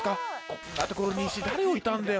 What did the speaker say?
こんなところに石誰置いたんだよ？